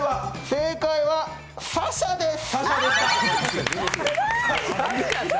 正解は、紗々です！